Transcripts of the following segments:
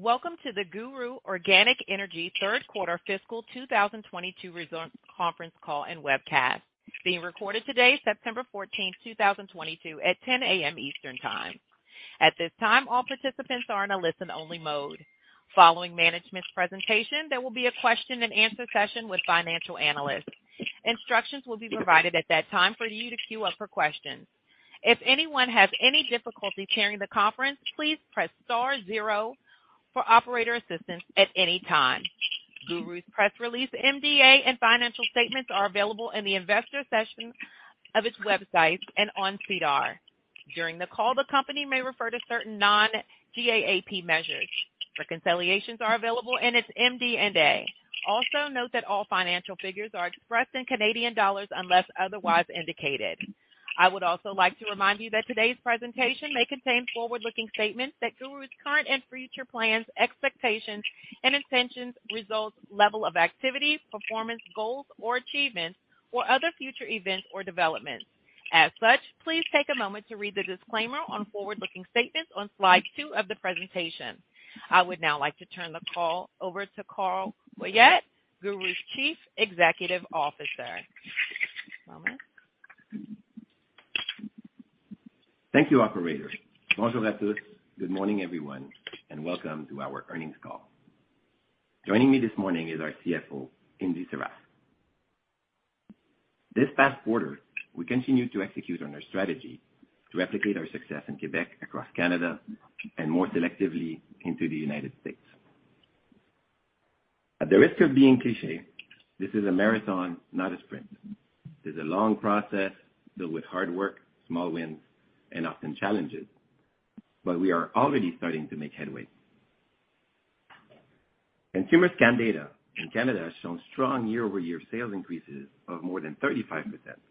Welcome to the GURU Organic Energy Q3 fiscal 2022 results conference call and webcast, being recorded today, September 14, 2022, at 10:00 A.M. Eastern Time. At this time, all participants are in a listen-only mode. Following management's presentation, there will be a question and answer session with financial analysts. Instructions will be provided at that time for you to queue up for questions. If anyone has any difficulty hearing the conference, please press star zero for operator assistance at any time. GURU's press release, MD&A, and financial statements are available in the investor section of its website and on SEDAR. During the call, the company may refer to certain non-GAAP measures. Reconciliations are available in its MD&A. Also note that all financial figures are expressed in Canadian dollars unless otherwise indicated. I would also like to remind you that today's presentation may contain forward-looking statements that GURU's current and future plans, expectations and intentions, results, level of activities, performance goals or achievements or other future events or developments. As such, please take a moment to read the disclaimer on forward-looking statements on slide two of the presentation. I would now like to turn the call over to Carl Goyette, GURU's Chief Executive Officer. One moment. Thank you, operator. Good morning, everyone, and welcome to our earnings call. Joining me this morning is our CFO, Ingy Sarraf. This past quarter, we continued to execute on our strategy to replicate our success in Quebec, across Canada, and more selectively into the United States. At the risk of being cliché, this is a marathon, not a sprint. This is a long process built with hard work, small wins, and often challenges, but we are already starting to make headway. Consumer scan data in Canada has shown strong year-over-year sales increases of more than 35%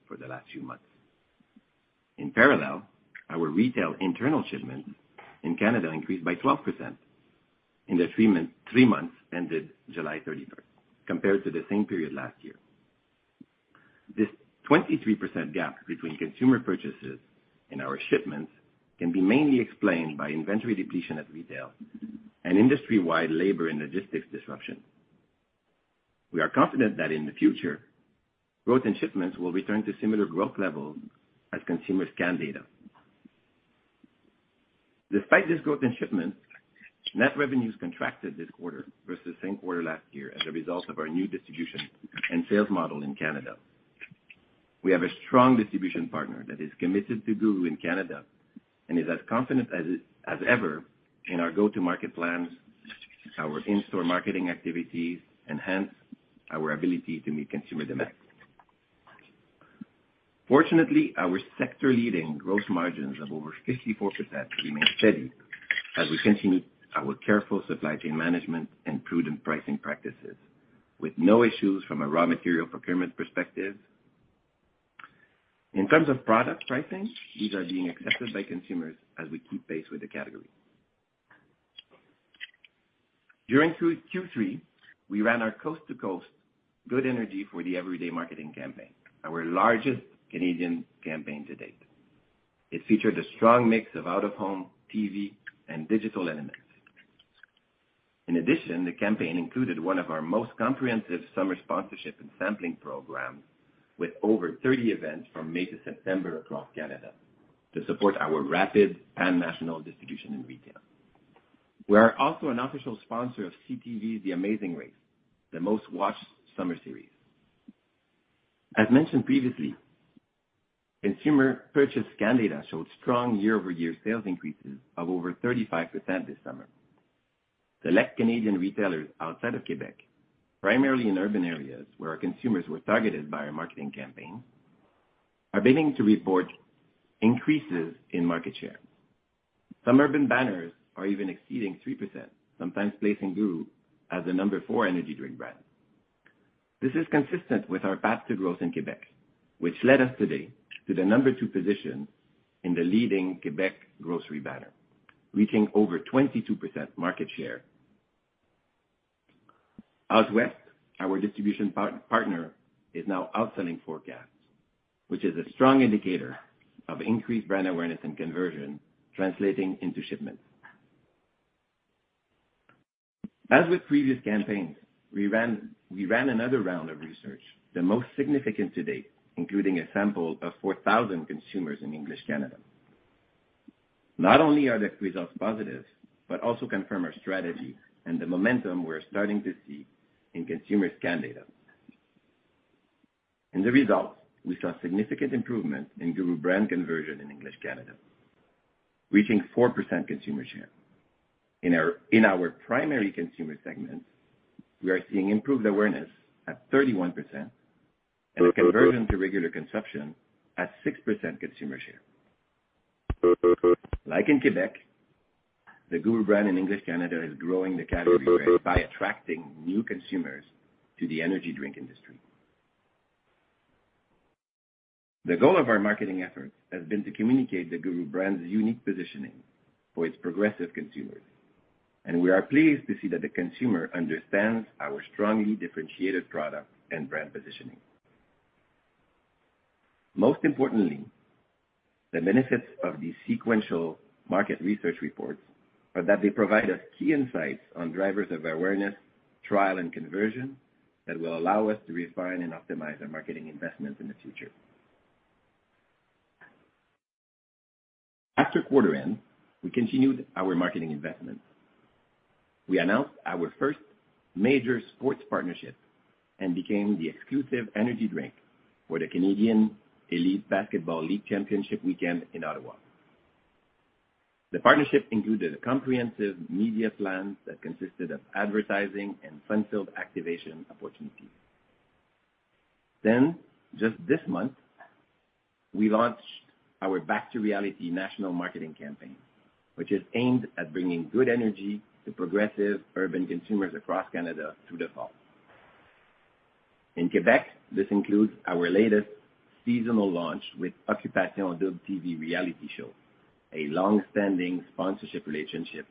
for the last few months. In parallel, our retail internal shipments in Canada increased by 12% in the three months ended July 30, compared to the same period last year. This 23% gap between consumer purchases and our shipments can be mainly explained by inventory depletion at retail and industry-wide labor and logistics disruption. We are confident that in the future, growth in shipments will return to similar growth level as consumer scan data. Despite this growth in shipments, net revenues contracted this quarter versus same quarter last year as a result of our new distribution and sales model in Canada. We have a strong distribution partner that is committed to GURU in Canada and is as confident as ever in our go-to-market plans, our in-store marketing activities, and hence, our ability to meet consumer demand. Fortunately, our sector-leading gross margins of over 54% remain steady as we continue our careful supply chain management and prudent pricing practices, with no issues from a raw material procurement perspective. In terms of product pricing, these are being accepted by consumers as we keep pace with the category. During Q3, we ran our coast-to-coast Good Energy for the Everyday Marketing campaign, our largest Canadian campaign to date. It featured a strong mix of out-of-home TV and digital elements. In addition, the campaign included one of our most comprehensive summer sponsorship and sampling programs, with over 30 events from May to September across Canada to support our rapid pan-national distribution in retail. We are also an official sponsor of CTV's The Amazing Race Canada, the most-watched summer series. As mentioned previously, consumer purchase scan data showed strong year-over-year sales increases of over 35% this summer. Select Canadian retailers outside of Quebec, primarily in urban areas where our consumers were targeted by our marketing campaign, are beginning to report increases in market share. Some urban banners are even exceeding 3%, sometimes placing GURU as the number four energy drink brand. This is consistent with our path to growth in Quebec, which led us today to the number two position in the leading Quebec grocery banner, reaching over 22% market share. Out west, our distribution partner is now outselling forecasts, which is a strong indicator of increased brand awareness and conversion translating into shipments. As with previous campaigns we ran, we ran another round of research, the most significant to date, including a sample of 4,000 consumers in English Canada. Not only are the results positive, but also confirm our strategy and the momentum we're starting to see in consumer scan data. In the results, we saw significant improvement in GURU brand conversion in English Canada, reaching 4% consumer share. In our primary consumer segments, we are seeing improved awareness at 31% and conversion to regular consumption at 6% consumer share. Like in Quebec, the GURU brand in English Canada is growing the category rate by attracting new consumers to the energy drink industry. The goal of our marketing efforts has been to communicate the GURU brand's unique positioning for its progressive consumers, and we are pleased to see that the consumer understands our strongly differentiated product and brand positioning. Most importantly, the benefits of these sequential market research reports are that they provide us key insights on drivers of awareness, trial, and conversion that will allow us to refine and optimize our marketing investments in the future. After quarter end, we continued our marketing investments. We announced our first major sports partnership and became the exclusive energy drink for the Canadian Elite Basketball League Championship weekend in Ottawa. The partnership included a comprehensive media plan that consisted of advertising and fun-filled activation opportunities. Just this month, we launched our Back to Reality national marketing campaign, which is aimed at bringing good energy to progressive urban consumers across Canada through the fall. In Quebec, this includes our latest seasonal launch with Occupation Double TV reality show, a long-standing sponsorship relationship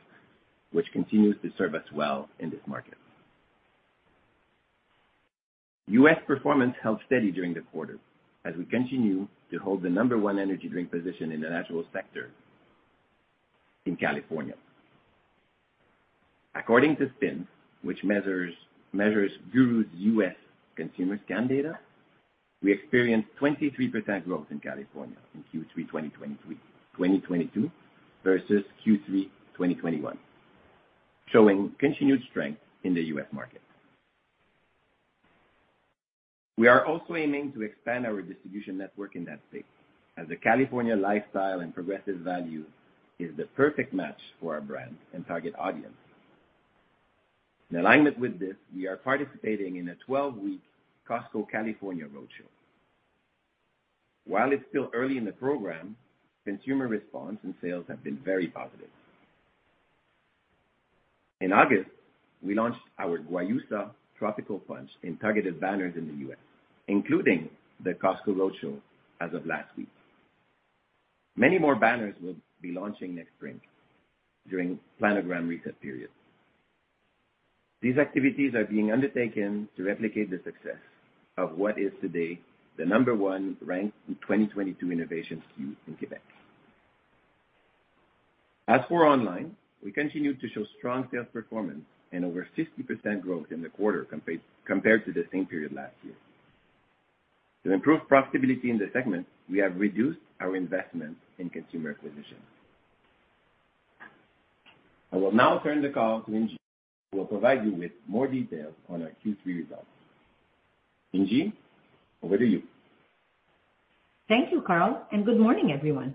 which continues to serve us well in this market. U.S. performance held steady during the quarter as we continue to hold the number one energy drink position in the natural sector in California. According to SPINS, which measures GURU's U.S. consumer scan data, we experienced 23% growth in California in Q3 2023. 2022 versus Q3 2021, showing continued strength in the U.S. market. We are also aiming to expand our distribution network in that state, as the California lifestyle and progressive value is the perfect match for our brand and target audience. In alignment with this, we are participating in a 12-week Costco California roadshow. While it's still early in the program, consumer response and sales have been very positive. In August, we launched our GURU Guayusa Tropical Punch in targeted banners in the U.S., including the Costco roadshow as of last week. Many more banners will be launching next spring during planogram reset period. These activities are being undertaken to replicate the success of what is today the number one ranked in 2022 innovation SKU in Quebec. As for online, we continue to show strong sales performance and over 50% growth in the quarter compared to the same period last year. To improve profitability in the segment, we have reduced our investment in consumer acquisition. I will now turn the call to Ingy, who will provide you with more details on our Q3 results. Ingy, over to you. Thank you, Carl, and good morning, everyone.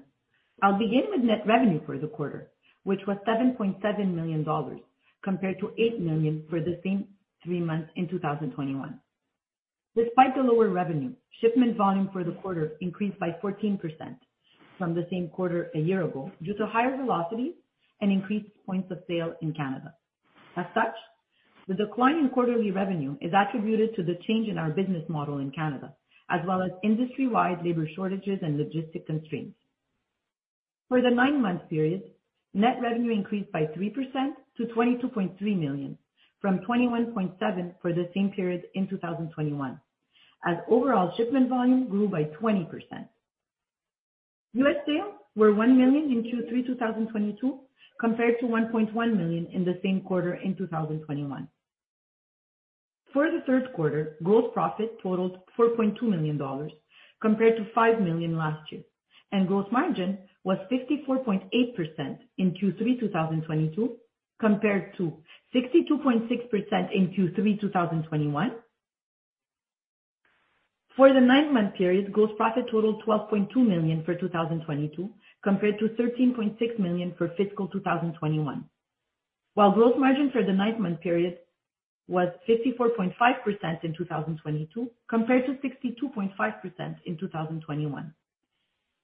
I'll begin with net revenue for the quarter, which was 7.7 million dollars compared to 8 million for the same three months in 2021. Despite the lower revenue, shipment volume for the quarter increased by 14% from the same quarter a year ago due to higher velocity and increased points of sale in Canada. As such, the decline in quarterly revenue is attributed to the change in our business model in Canada, as well as industry-wide labor shortages and logistic constraints. For the nine-month period, net revenue increased by 3% to 22.3 million from 21.7 million for the same period in 2021, as overall shipment volume grew by 20%. U.S sales were 1 million in Q3 2022, compared to 1.1 million in the same quarter in 2021. For the Q3, gross profit totaled 4.2 million dollars, compared to 5 million last year, and gross margin was 64.8% in Q3 2022, compared to 62.6% in Q3 2021. For the nine-month period, gross profit totaled 12.2 million for 2022, compared to 13.6 million for fiscal 2021. While gross margin for the nine-month period was 54.5% in 2022, compared to 62.5% in 2021.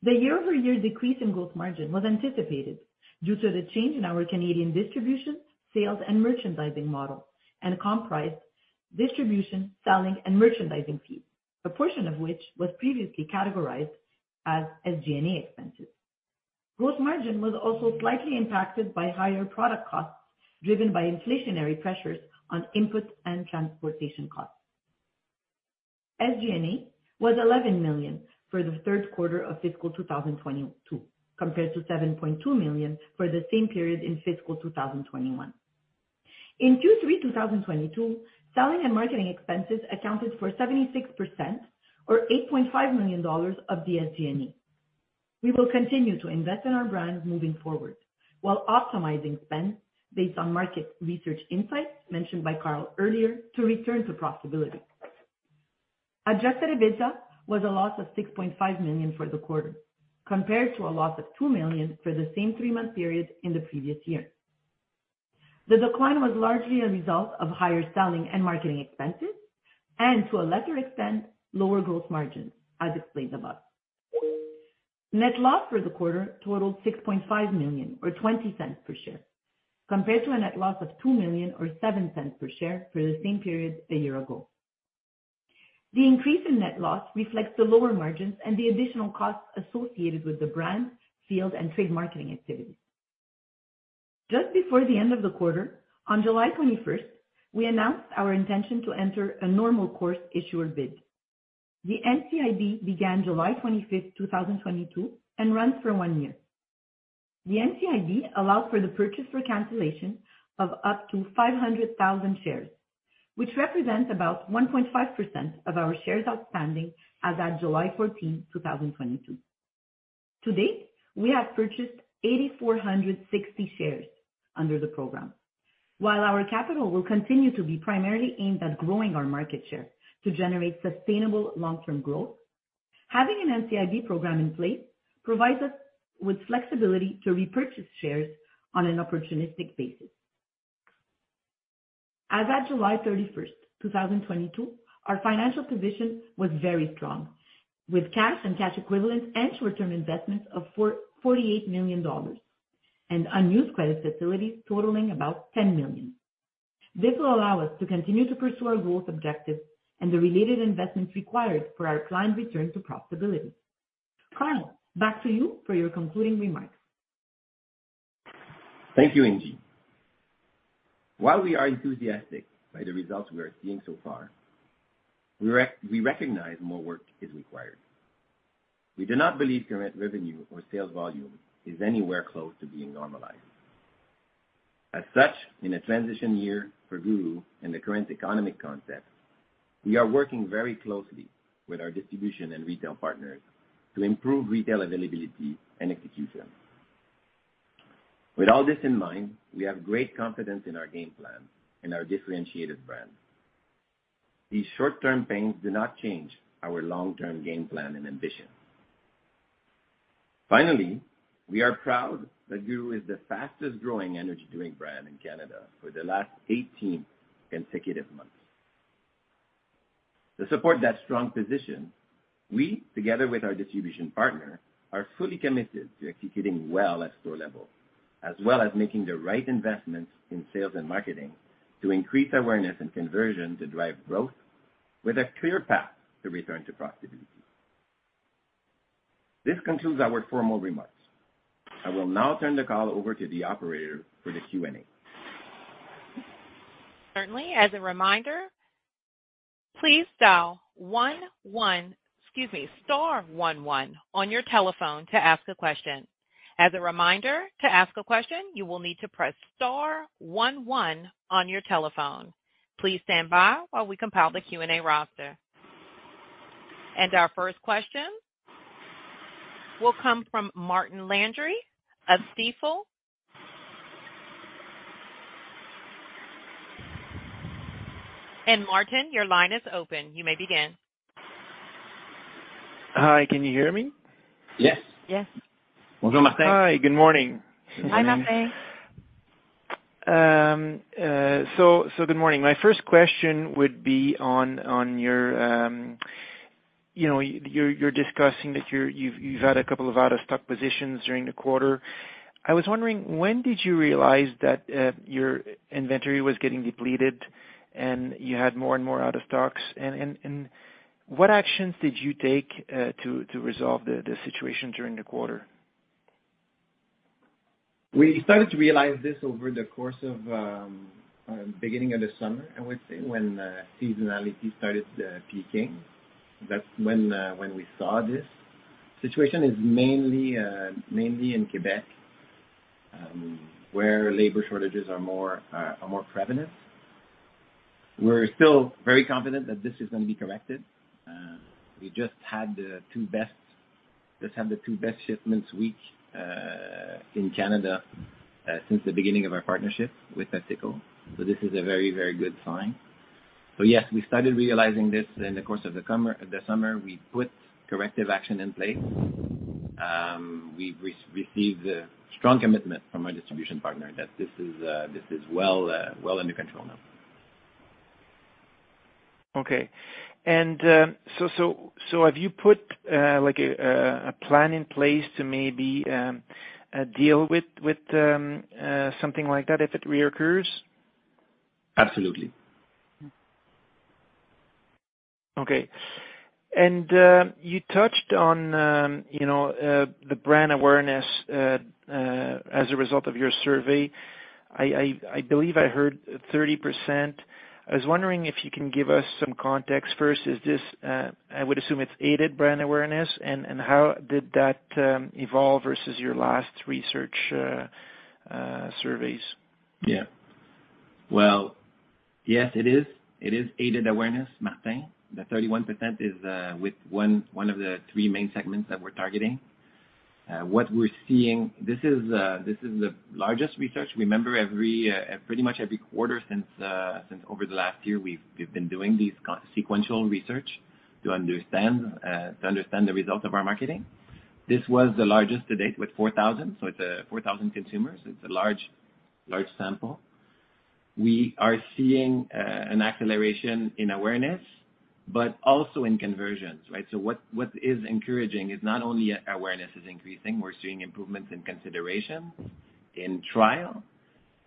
The year-over-year decrease in gross margin was anticipated due to the change in our Canadian distribution, sales, and merchandising model, and comprised distribution, selling, and merchandising fees, a portion of which was previously categorized as SG&A expenses. Gross margin was also slightly impacted by higher product costs driven by inflationary pressures on input and transportation costs. SG&A was 11 million for the Q3 of fiscal 2022, compared to 7.2 million for the same period in fiscal 2021. In Q3 2022, selling and marketing expenses accounted for 76% or 8.5 million dollars of the SG&A. We will continue to invest in our brands moving forward while optimizing spend based on market research insights mentioned by Carl earlier to return to profitability. Adjusted EBITDA was a loss of 6.5 million for the quarter, compared to a loss of 2 million for the same three-month period in the previous year. The decline was largely a result of higher selling and marketing expenses and, to a lesser extent, lower gross margin, as explained above. Net loss for the quarter totaled 6.5 million or 0.20 per share, compared to a net loss of 2 million or 0.07 per share for the same period a year ago. The increase in net loss reflects the lower margins and the additional costs associated with the brand, field, and trade marketing activities. Just before the end of the quarter, on July 21st, we announced our intention to enter a normal course issuer bid. The NCIB began July 25th, 2022, and runs for one year. The NCIB allows for the purchase for cancellation of up to 500,000 shares, which represents about 1.5% of our shares outstanding as at July 14th, 2022. To date, we have purchased 8,460 shares under the program. While our capital will continue to be primarily aimed at growing our market share to generate sustainable long-term growth, having an NCIB program in place provides us with flexibility to repurchase shares on an opportunistic basis. As at July 31st, 2022, our financial position was very strong, with cash and cash equivalents and short-term investments of 44.8 million dollars and unused credit facilities totaling about 10 million. This will allow us to continue to pursue our growth objectives and the related investments required for our climb back to profitability. Carl, back to you for your concluding remarks. Thank you, Ingy. While we are enthusiastic by the results we are seeing so far, we recognize more work is required. We do not believe current revenue or sales volume is anywhere close to being normalized. As such, in a transition year for GURU and the current economic context, we are working very closely with our distribution and retail partners to improve retail availability and execution. With all this in mind, we have great confidence in our game plan and our differentiated brand. These short-term pains do not change our long-term game plan and ambition. Finally, we are proud that GURU is the fastest growing energy drink brand in Canada for the last 18 consecutive months. To support that strong position, we, together with our distribution partner, are fully committed to executing well at store level, as well as making the right investments in sales and marketing to increase awareness and conversion to drive growth with a clear path to return to profitability. This concludes our formal remarks. I will now turn the call over to the operator for the Q&A. Certainly. As a reminder, please dial star one one on your telephone to ask a question. As a reminder, to ask a question, you will need to press star one one on your telephone. Please stand by while we compile the Q&A roster. Our first question will come from Martin Landry of Stifel. Martin, your line is open. You may begin. Hi. Can you hear me? Yes. Yes. Bonjour, Martin. Hi, good morning. Hi, Martin. Good morning. My first question would be on your, you know, you're discussing that you've had a couple of out-of-stock positions during the quarter. I was wondering, when did you realize that your inventory was getting depleted and you had more and more out of stocks? What actions did you take to resolve the situation during the quarter? We started to realize this over the course of beginning of the summer, I would say, when seasonality started peaking. That's when we saw this. Situation is mainly in Quebec, where labor shortages are more prevalent. We're still very confident that this is gonna be corrected. We just had the two best shipment weeks in Canada since the beginning of our partnership with PepsiCo. This is a very, very good sign. Yes, we started realizing this in the course of the summer. We put corrective action in place. We've received a strong commitment from our distribution partner that this is well under control now. Okay. So have you put, like, a plan in place to maybe deal with something like that if it reoccurs? Absolutely. You touched on, you know, the brand awareness as a result of your survey. I believe I heard 30%. I was wondering if you can give us some context first. Is this, I would assume it's aided brand awareness. How did that evolve versus your last research surveys? Yeah. Well, yes, it is. It is aided awareness, Martin. The 31% is with one of the three main segments that we're targeting. What we're seeing. This is the largest research. Remember, every quarter since over the last year, we've been doing these sequential research to understand the results of our marketing. This was the largest to date with 4,000. So it's 4,000 consumers. It's a large sample. We are seeing an acceleration in awareness, but also in conversions, right? What is encouraging is not only awareness is increasing, we're seeing improvements in consideration, in trial,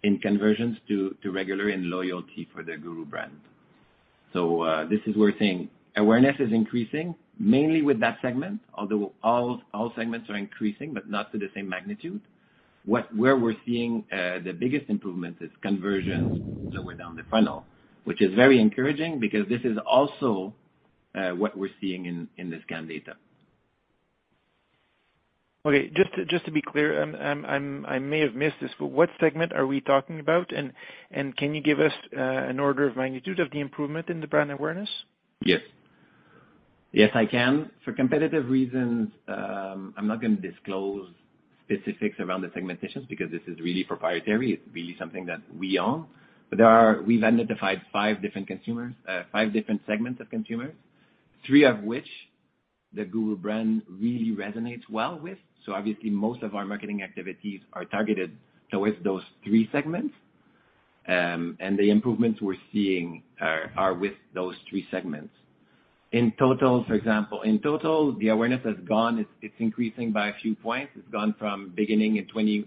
in conversions to regular and loyalty for the GURU brand. This is where we're seeing awareness is increasing, mainly with that segment, although all segments are increasing, but not to the same magnitude. Where we're seeing the biggest improvement is conversion lower down the funnel, which is very encouraging because this is also what we're seeing in the scan data. Okay. Just to be clear, I may have missed this, but what segment are we talking about? Can you give us an order of magnitude of the improvement in the brand awareness? Yes. Yes, I can. For competitive reasons, I'm not gonna disclose specifics around the segmentations because this is really proprietary. It's really something that we own. We've identified 5 different consumers, 5 different segments of consumers. Three of which the GURU brand really resonates well with. Obviously, most of our marketing activities are targeted towards those three segments. The improvements we're seeing are with those three segments. In total, for example, the awareness is increasing by a few points. It's gone from 20% in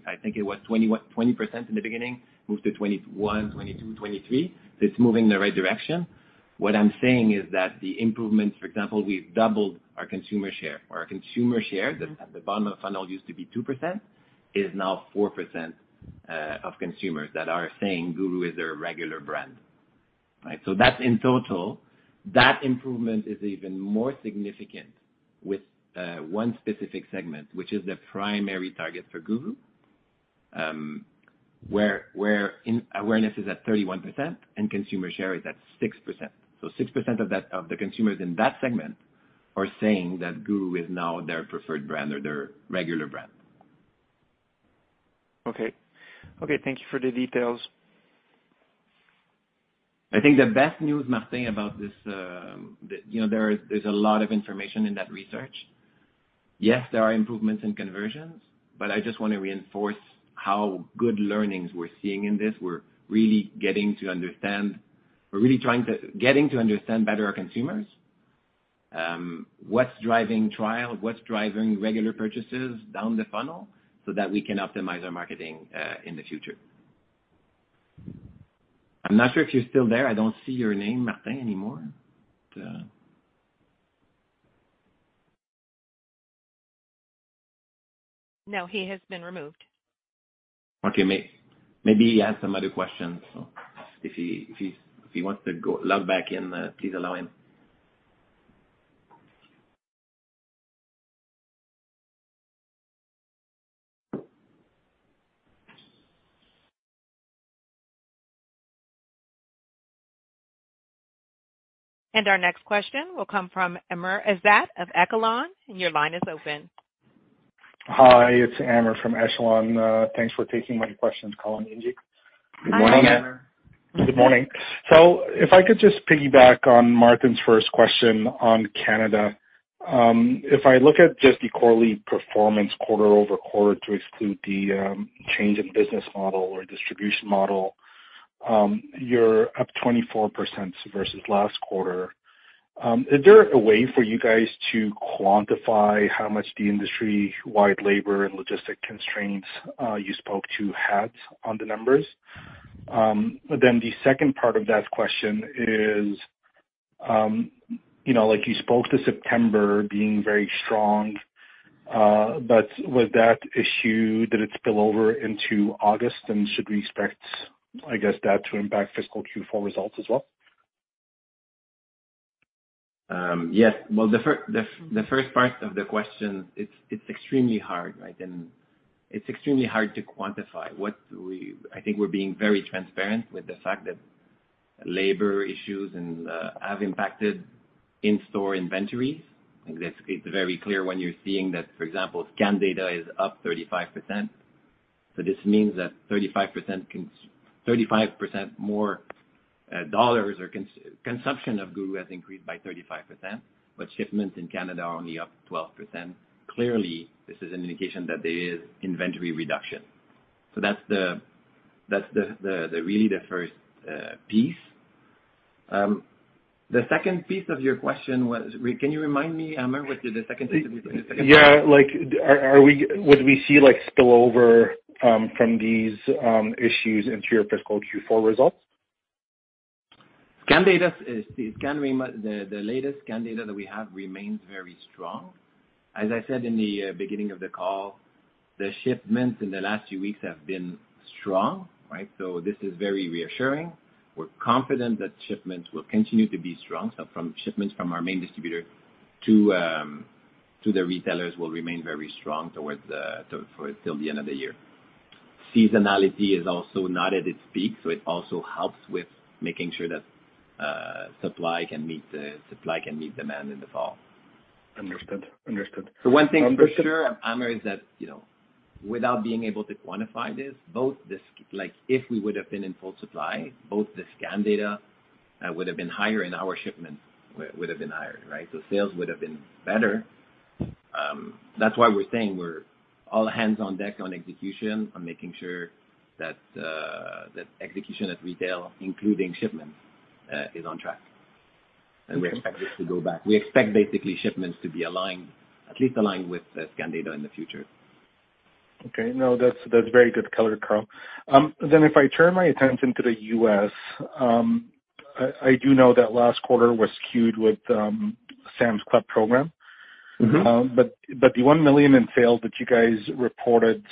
the beginning, moved to 21, 22, 23. It's moving in the right direction. What I'm saying is that the improvements, for example, we've doubled our consumer share. Our consumer share that at the bottom of funnel used to be 2%, is now 4%, of consumers that are saying GURU is their regular brand. Right? That's in total. That improvement is even more significant with one specific segment, which is the primary target for GURU, where in awareness is at 31% and consumer share is at 6%. Six percent of the consumers in that segment are saying that GURU is now their preferred brand or their regular brand. Okay. Okay, thank you for the details. I think the best news, Martin, about this, you know, there's a lot of information in that research. Yes, there are improvements in conversions, but I just wanna reinforce how good learnings we're seeing in this. We're really getting to understand better our consumers, what's driving trial, what's driving regular purchases down the funnel so that we can optimize our marketing in the future. I'm not sure if you're still there. I don't see your name, Martin, anymore. No, he has been removed. Okay. Maybe he has some other questions. If he wants to go log back in, please allow him. Our next question will come from Amr Ezzat of Echelon. Your line is open. Hi, it's Amr from Echelon. Thanks for taking my questions, Carl and Ingy. Good morning. Hi, Amr. Good morning. If I could just piggyback on Martin's first question on Canada. If I look at just the quarterly performance quarter-over-quarter to exclude the change in business model or distribution model, you're up 24% versus last quarter. Is there a way for you guys to quantify how much the industry-wide labor and logistics constraints you spoke to had on the numbers? The second part of that question is, you know, like you spoke to September being very strong, but with that issue, did it spill over into August? Should we expect, I guess, that to impact fiscal Q4 results as well? Yes. Well, the first part of the question, it's extremely hard, right? It's extremely hard to quantify what we I think we're being very transparent with the fact that labor issues and have impacted in-store inventories. Like, it's very clear when you're seeing that, for example, scan data is up 35%. So this means that 35% more dollars or consumption of GURU has increased by 35%, but shipments in Canada are only up 12%. Clearly, this is an indication that there is inventory reduction. That's the really the first piece. The second piece of your question was. Can you remind me, Amr, what the second piece was? The second part. Yeah. Would we see, like, spillover from these issues into your fiscal Q4 results? The latest scan data that we have remains very strong. As I said in the beginning of the call, the shipments in the last few weeks have been strong, right? This is very reassuring. We're confident that shipments will continue to be strong. Shipments from our main distributor to the retailers will remain very strong till the end of the year. Seasonality is also not at its peak, so it also helps with making sure that supply can meet demand in the fall. Understood. One thing for sure, Amr Ezzat, is that, you know, without being able to quantify this, both the scan data would have been higher and our shipment would have been higher, right? Sales would have been better. That's why we're saying we're all hands on deck on execution, on making sure that that execution at retail, including shipments, is on track. We expect this to go back. We expect basically shipments to be aligned, at least aligned with the scan data in the future. Okay. No, that's very good color, Carl. If I turn my attention to the U.S., I do know that last quarter was skewed with Sam's Club program. Mm-hmm. 1 million in sales that you guys reported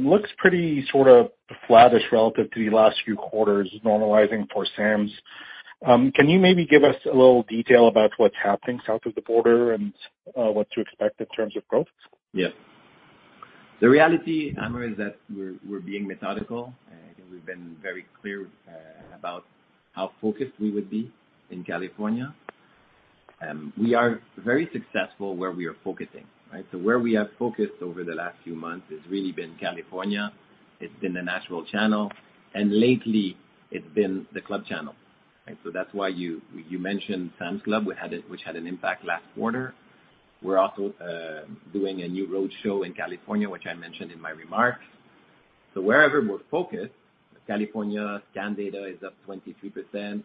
looks pretty sort of flattish relative to the last few quarters normalizing for Sam's. Can you maybe give us a little detail about what's happening south of the border and what to expect in terms of growth? Yes. The reality, Amir, is that we're being methodical. I think we've been very clear about how focused we would be in California. We are very successful where we are focusing, right? Where we have focused over the last few months has really been California. It's been the natural channel, and lately it's been the club channel. Right. That's why you mentioned Sam's Club, which had an impact last quarter. We're also doing a new roadshow in California, which I mentioned in my remarks. Wherever we're focused, California scan data is up 23%,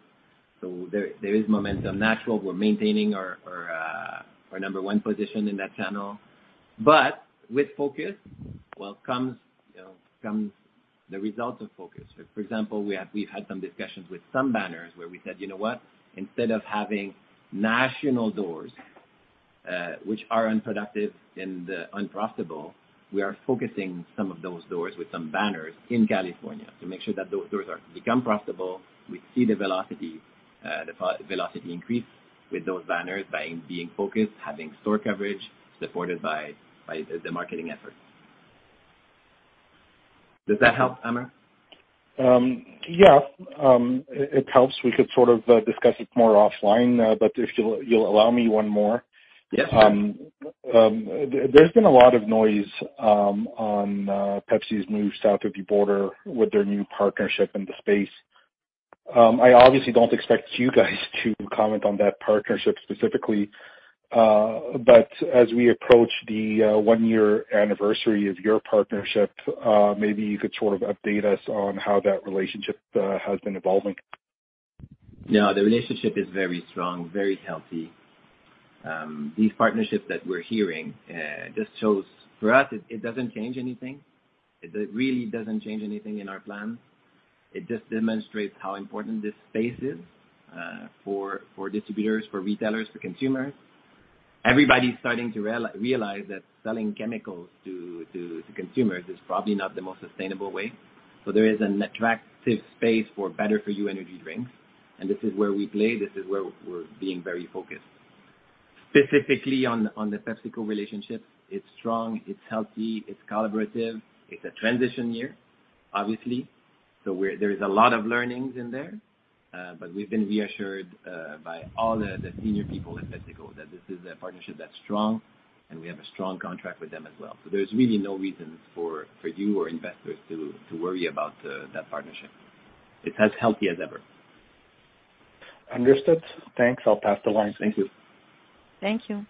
so there is momentum natural. We're maintaining our number one position in that channel. With focus comes the results of focus. For example, we had some discussions with some banners where we said, "You know what? Instead of having national doors, which are unproductive and unprofitable, we are focusing some of those doors with some banners in California to make sure that those doors are become profitable." We see the velocity increase with those banners by being focused, having store coverage, supported by the marketing efforts. Does that help, Amir? Yeah, it helps. We could sort of discuss it more offline. If you'll allow me one more. Yes. There's been a lot of noise on Pepsi's move south of the border with their new partnership in the space. I obviously don't expect you guys to comment on that partnership specifically. As we approach the one-year anniversary of your partnership, maybe you could sort of update us on how that relationship has been evolving. No, the relationship is very strong, very healthy. These partnerships that we're hearing just shows for us it doesn't change anything. It really doesn't change anything in our plan. It just demonstrates how important this space is for distributors, for retailers, for consumers. Everybody's starting to realize that selling chemicals to consumers is probably not the most sustainable way. There is an attractive space for better for you energy drinks, and this is where we play, this is where we're being very focused. Specifically on the PepsiCo relationship, it's strong, it's healthy, it's collaborative. It's a transition year, obviously. There is a lot of learnings in there, but we've been reassured by all the senior people in PepsiCo that this is a partnership that's strong, and we have a strong contract with them as well. There's really no reason for you or investors to worry about that partnership. It's as healthy as ever. Understood. Thanks. I'll pass the line. Thank you. Thank you.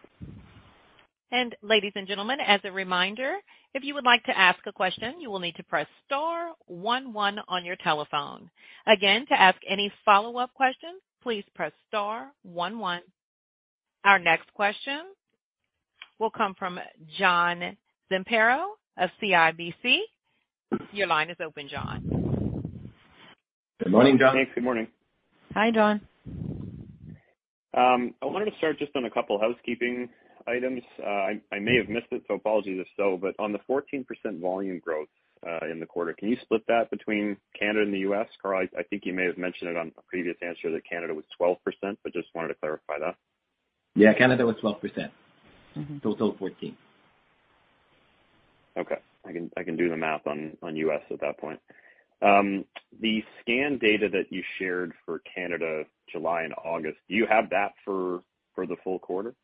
Ladies and gentlemen, as a reminder, if you would like to ask a question, you will need to press star one one on your telephone. Again, to ask any follow-up questions, please press star one one. Our next question will come from John Zamparo of CIBC. Your line is open, John. Good morning, John. Good morning. Hi, John. I wanted to start just on a couple housekeeping items. I may have missed it, so apologies if so, but on the 14% volume growth in the quarter, can you split that between Canada and the U.S., Carl? I think you may have mentioned it on a previous answer that Canada was 12%, but just wanted to clarify that. Yeah. Canada was 12%. Mm-hmm. Total 14. Okay. I can do the math on U.S at that point. The scan data that you shared for Canada, July and August, do you have that for the full quarter?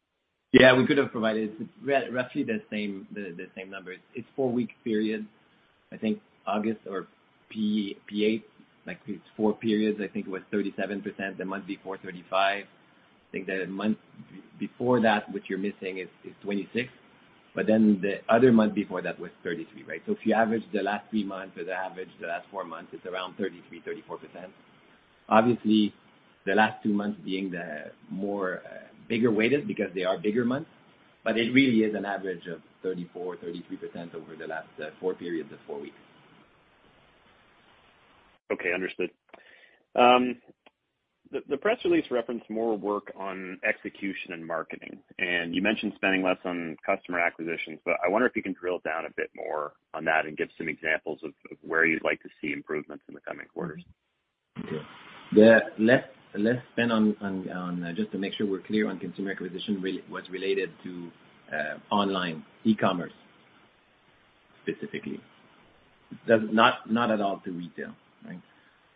Yeah, we could have provided. It's roughly the same, the same numbers. It's four-week period. I think August or PP8, like it's four periods. I think it was 37%, the month before 35. I think the month before that, which you're missing, is 26. The other month before that was 33%, right? If you average the last three months or average the last four months, it's around 33%, 34%. Obviously, the last two months being the more bigger weighted because they are bigger months, but it really is an average of 34%, 33% over the last four periods of four weeks. Okay. Understood. The press release referenced more work on execution and marketing, and you mentioned spending less on customer acquisitions, but I wonder if you can drill down a bit more on that and give some examples of where you'd like to see improvements in the coming quarters. Okay. The less spend on. Just to make sure we're clear on consumer acquisition was related to online, e-commerce specifically. Not at all to retail, right?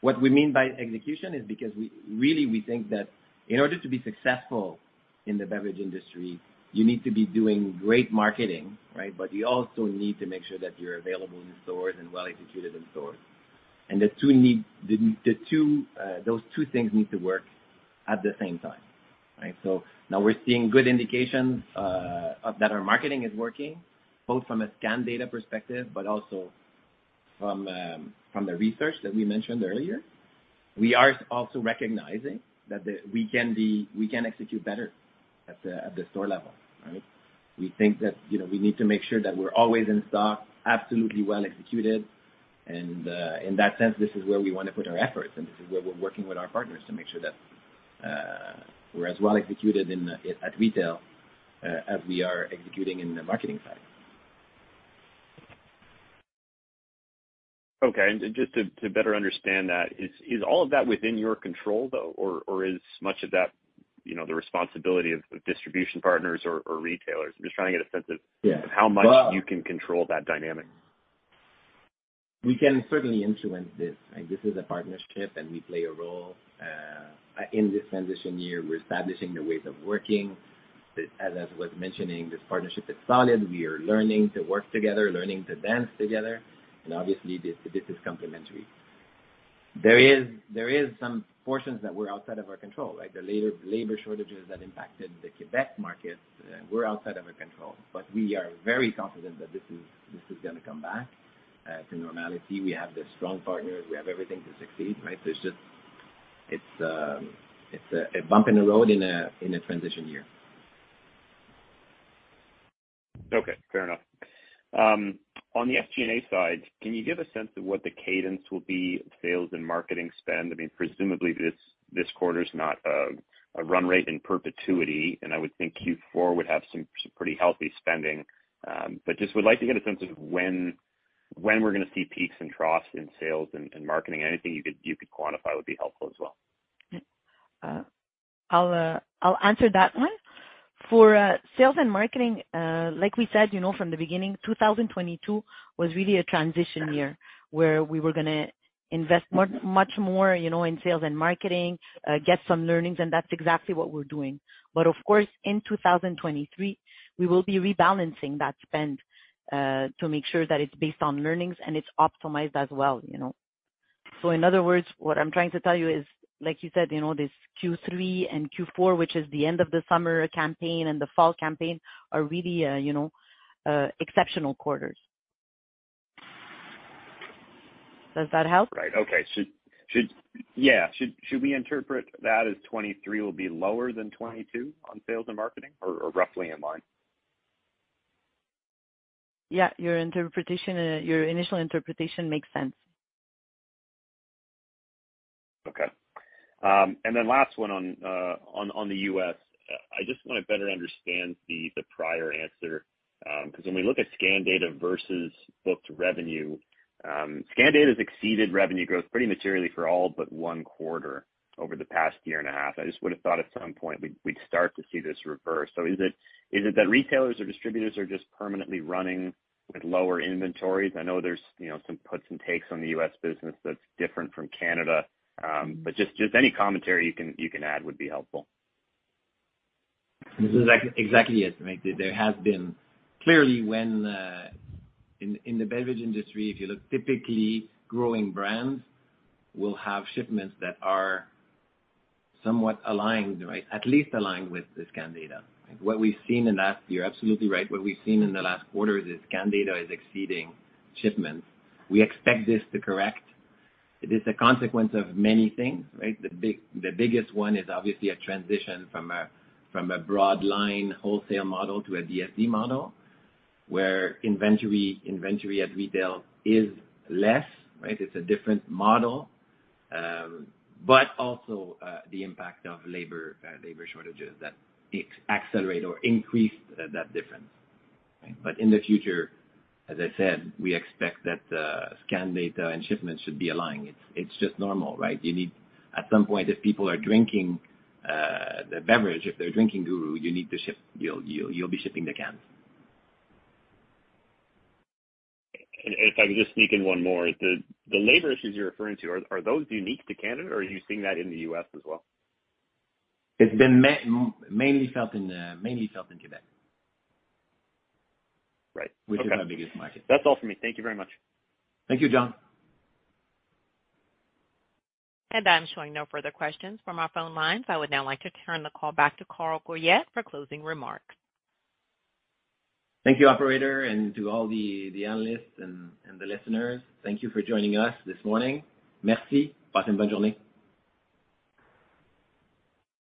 What we mean by execution is because we really think that in order to be successful in the beverage industry, you need to be doing great marketing, right? You also need to make sure that you're available in stores and well-executed in stores. The two things need to work at the same time. Right? Now we're seeing good indications of that our marketing is working, both from a scan data perspective, but also from the research that we mentioned earlier. We are also recognizing that we can execute better at the store level, right? We think that, you know, we need to make sure that we're always in stock, absolutely well-executed, and in that sense, this is where we wanna put our efforts, and this is where we're working with our partners to make sure that we're as well-executed at retail as we are executing in the marketing side. Okay. Just to better understand that, is all of that within your control though? Or is much of that, you know, the responsibility of distribution partners or retailers? I'm just trying to get a sense of. Yeah. How much you can control that dynamic. We can certainly influence this. Like, this is a partnership, and we play a role. In this transition year, we're establishing the ways of working. As I was mentioning, this partnership is solid. We are learning to work together, learning to dance together, and obviously this is complementary. There is some portions that were outside of our control. Like the labor shortages that impacted the Quebec market were outside of our control. We are very confident that this is gonna come back to normality. We have the strong partners. We have everything to succeed, right? There's just. It's a bump in the road in a transition year. Okay, fair enough. On the SG&A side, can you give a sense of what the cadence will be, sales and marketing spend? I mean, presumably this quarter's not a run rate in perpetuity, and I would think Q4 would have some pretty healthy spending. Just would like to get a sense of when we're gonna see peaks and troughs in sales and marketing. Anything you could quantify would be helpful as well. Yeah. I'll answer that one. For sales and marketing, like we said, you know, from the beginning, 2022 was really a transition year where we were gonna invest more, much more, you know, in sales and marketing, get some learnings, and that's exactly what we're doing. Of course, in 2023, we will be rebalancing that spend to make sure that it's based on learnings, and it's optimized as well, you know. In other words, what I'm trying to tell you is, like you said, you know, this Q3 and Q4, which is the end of the summer campaign and the fall campaign, are really, you know, exceptional quarters. Does that help? Right. Okay. Yeah. Should we interpret that as 2023 will be lower than 2022 on sales and marketing or roughly in line? Yeah, your interpretation, your initial interpretation makes sense. Okay. Last one on the U.S. I just wanna better understand the prior answer, 'cause when we look at scan data versus booked revenue, scan data has exceeded revenue growth pretty materially for all but one quarter over the past year and a half. I just would've thought at some point we'd start to see this reverse. Is it that retailers or distributors are just permanently running with lower inventories? I know there's you know, some puts and takes on the U.S business that's different from Canada, but just any commentary you can add would be helpful. This is exactly it. Like, there has been. Clearly, when in the beverage industry, if you look typically growing brands will have shipments that are somewhat aligned, right? At least aligned with the scan data. What we've seen in the last year, absolutely right, what we've seen in the last quarter is scan data is exceeding shipments. We expect this to correct. It is a consequence of many things, right? The biggest one is obviously a transition from a broad line wholesale model to a DSD model, where inventory at retail is less, right? It's a different model. But also, the impact of labor shortages that accelerate or increase that difference. In the future, as I said, we expect that scan data and shipments should be aligned. It's just normal, right? You need. At some point, if people are drinking the beverage, if they're drinking GURU, you need to ship. You'll be shipping the cans. If I could just sneak in one more. The labor issues you're referring to, are those unique to Canada or are you seeing that in the U.S as well? It's been mainly felt in Quebec. Right. Okay. Which is our biggest market. That's all for me. Thank you very much. Thank you, John. I'm showing no further questions from our phone lines. I would now like to turn the call back to Carl Goyette for closing remarks. Thank you, operator, and to all the analysts and the listeners. Thank you for joining us this morning. Merci.